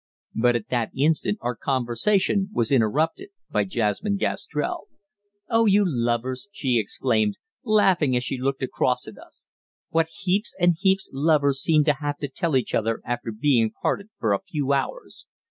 But at that instant our conversation was interrupted by Jasmine Gastrell. "Oh, you lovers!" she exclaimed, laughing as she looked across at us. "What heaps and heaps lovers seem to have to tell each other after being parted for a few hours.